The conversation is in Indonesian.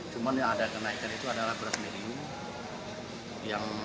cuman yang ada kenaikan itu adalah berasnya